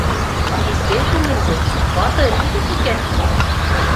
Изге күңелле, батыр егет икәнһең.